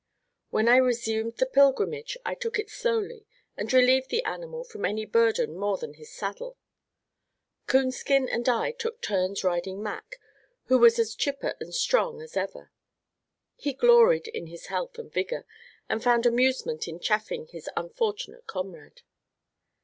When I resumed the pilgrimage, I took it slowly, and relieved the animal from any burden more than his saddle. Coonskin and I took turns riding Mac, who was as chipper and strong as ever. He gloried in his health and vigor, and found amusement in chaffing his unfortunate comrade.